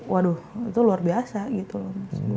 waduh itu luar biasa gitu loh